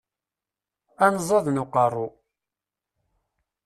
Anẓad n uqerru.